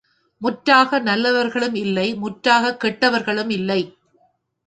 முற்றாக நல்லவர்களும் இல்லை முற்றாக கெட்டவர்களும் இல்லை.